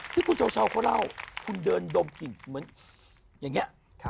ที่คุณเช้าเขาเล่าคุณเดินดมกลิ่นเหมือนอย่างนี้